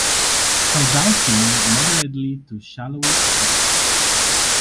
Caudal fin moderately to shallowly forked.